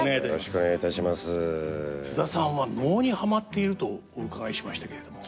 津田さんは能にはまっているとお伺いしましたけれども。